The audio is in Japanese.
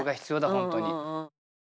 本当に。